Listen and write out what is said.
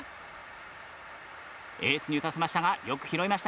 エースに打たせましたがよく拾いました。